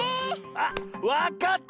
あっわかった！